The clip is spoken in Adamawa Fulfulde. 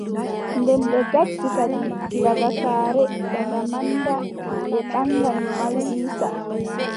Nden ɓe gaddi kadi daga kare, daga manda, ɓe mbaagani Mal Iiisa.